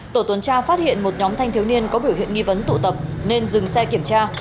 tổ tuần tra phát hiện một nhóm thanh thiếu niên có biểu hiện nghi vấn tụ tập nên dừng xe kiểm tra